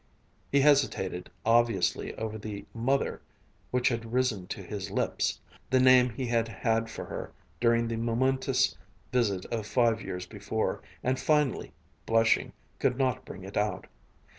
He hesitated obviously over the "Mother" which had risen to his lips, the name he had had for her during the momentous visit of five years before, and finally, blushing, could not bring it out.